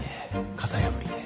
型破りで。